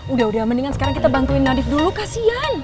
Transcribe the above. udah udah mendingan sekarang kita bantuin nadif dulu kasian